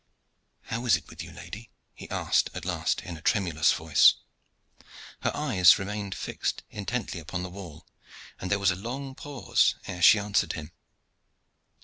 "How is it with you, lady?" he asked at last, in a tremulous voice. Her eyes remained fixed intently upon the wall, and there was a long pause ere she answered him.